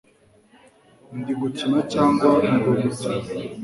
ndi gukina cyangwa ndi umukino